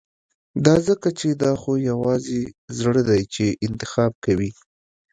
دا ځکه چې دا خو يوازې زړه دی چې انتخاب کوي.